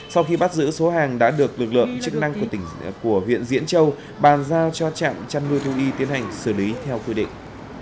sau khi bắt giữ số hàng đã được lực lượng chức năng của huyện diễn châu bàn giao cho trạm chăn nuôi thú y tiến hành xử lý theo quy định